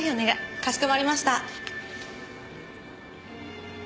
かしこまりました。